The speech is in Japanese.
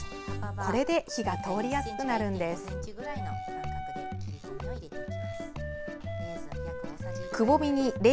これで火が通りやすくなるんです。